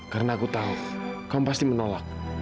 karena aku tahu kamu pasti menolak